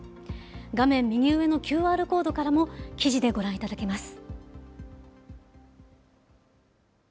画面右上のＱＲコードからも記事でご覧いただけます。